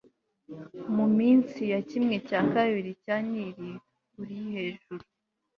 munsi ya kimwe cya kabiri cya nili urihejuru